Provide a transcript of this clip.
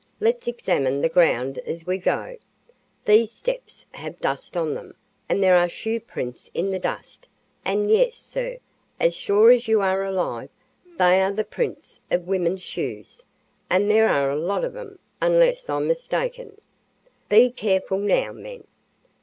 "Let's examine the ground as we go. These steps have dust on them, and there are shoe prints in the dust, and, yes, sir, as sure as you are alive, they are the prints of women's shoes, and there are a lot of 'em, unless I'm mistaken. Be careful now, men.